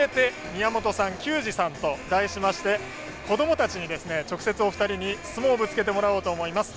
宮本さん球児さん」と、題しまして子どもたちに直接お二人に質問をぶつけてもらおうと思います。